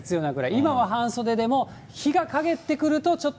今は半袖でも日が陰ってくるとち